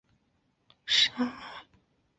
李泽藩出生新竹